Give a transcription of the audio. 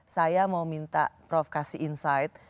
saya mau minta prof kasih insight